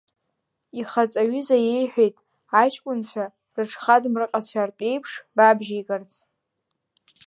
Ихаҵаҩыза иеиҳәеит аҷкәынцәа рыҽхадмырҟьацәартә еиԥш рабжьеигарц.